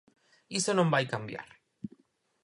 Iso non vai cambiar.